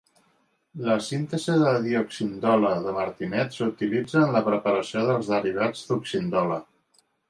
La síntesi de dioxindole de Martinet s'utilitza en la preparació dels derivats d'oxindole.